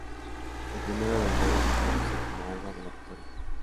El Primero de Enero se traduce como alba de la Victoria.